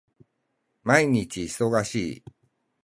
毎日忙しい